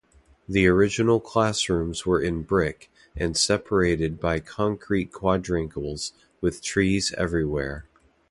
The original classrooms were in brick, and separated by concrete quadrangles with trees everywhere.